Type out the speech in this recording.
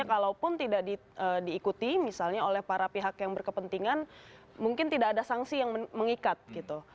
jadi kalau pun tidak diikuti misalnya oleh para pihak yang berkepentingan mungkin tidak ada sanksi yang mengikat gitu